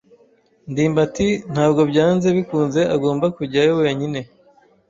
ndimbati ntabwo byanze bikunze agomba kujyayo wenyine.